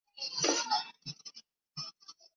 首先焊接工人不小心让火花引燃周围环境。